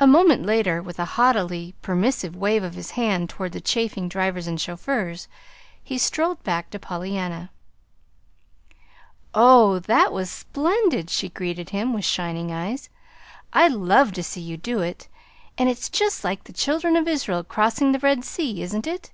A moment later, with a haughtily permissive wave of his hand toward the chafing drivers and chauffeurs, he strolled back to Pollyanna. "Oh, that was splendid!" she greeted him, with shining eyes. "I love to see you do it and it's just like the Children of Israel crossing the Red Sea, isn't it?